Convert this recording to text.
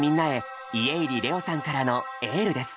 家入レオさんからのエールです！